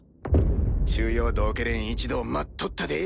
中庸道化連一同待っとったで。